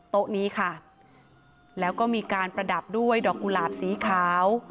โต๊ะนี้ค่ะแล้วก็มีการประดับด้วยดอกกุหลาบสีขาว